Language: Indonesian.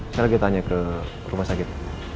saya lagi tanya ke rumah sakit